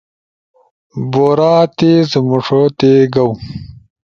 بورا تیز مݜوتے گاؤ